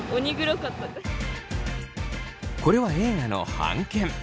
これは映画の半券。